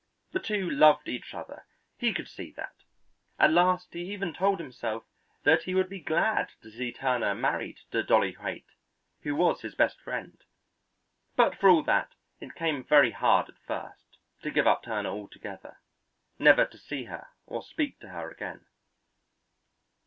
The two loved each other, he could see that; at last he even told himself that he would be glad to see Turner married to Dolly Haight, who was his best friend. But for all that, it came very hard at first to give up Turner altogether; never to see her or speak to her again.